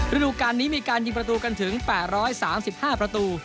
ฤดูการนี้มีการยิงประตูกันถึง๘๓๕ประตู